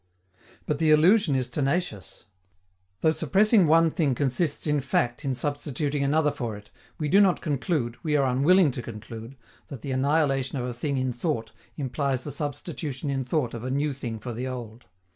But the illusion is tenacious. Though suppressing one thing consists in fact in substituting another for it, we do not conclude, we are unwilling to conclude, that the annihilation of a thing in thought implies the substitution in thought of a new thing for the old.